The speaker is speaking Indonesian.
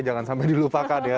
jangan sampai dilupakan ya